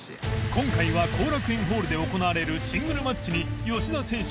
禳２鵑後楽園ホールで行われるシングルマッチに吉田選手